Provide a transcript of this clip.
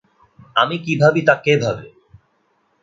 আমি কি ভাবি তা কে ভাবে?